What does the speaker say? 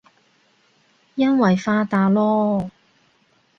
因爲發達囉